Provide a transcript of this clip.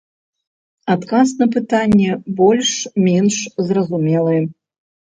Адказ на пытанне больш-менш зразумелы.